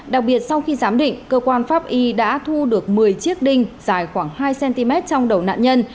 đặc biệt sau khi giám định cơ quan pháp y đã thu được một mươi chiếc đinh dài khoảng hai cm trong đầu nạn nhân